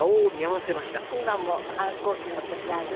今も反抗期の時ある？